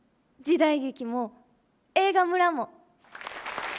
時代劇も映画村も。